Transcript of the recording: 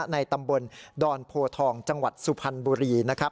ในตำบลดอนโพทองจังหวัดสุพรรณบุรีนะครับ